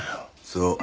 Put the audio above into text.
そう。